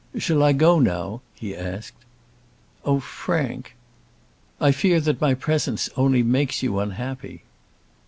"Shall I go now?" he asked. "Oh Frank!" "I fear that my presence only makes you unhappy."